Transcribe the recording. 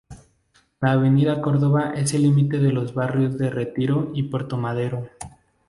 La avenida Córdoba es el límite de los barrios de Retiro y Puerto Madero.